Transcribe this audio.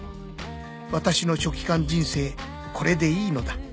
［私の書記官人生これでいいのだ］